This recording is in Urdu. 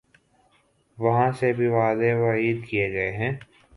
وہاں سے بھی وعدے وعید کیے گئے ہیں۔